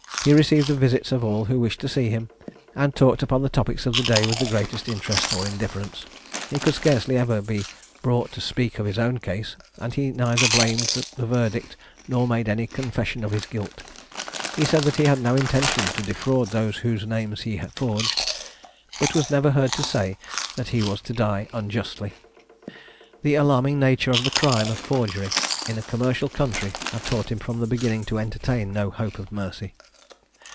He received the visits of all who wished to see him, and talked upon the topics of the day with the greatest interest or indifference. He could scarcely ever be brought to speak of his own case, and he neither blamed the verdict, nor made any confession of his guilt. He said that he had no intention to defraud those whose names he forged; but was never heard to say that he was to die unjustly. The alarming nature of the crime of forgery, in a commercial country, had taught him from the beginning to entertain no hope of mercy.